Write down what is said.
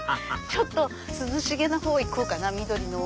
ちょっと涼しげな方行こうかな緑の。